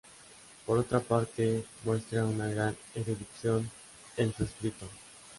Por otra parte, muestra una gran erudición en su escrito.